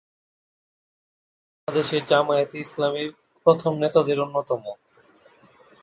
তিনি বাংলাদেশ জামায়াতে ইসলামীর প্রথম নেতাদের অন্যতম।